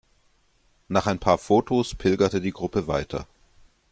Nach ein paar Fotos pilgerte die Gruppe weiter.